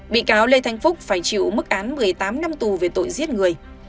bị cáo lê thanh phúc phải chịu mức án một mươi tám năm tù về tội giết người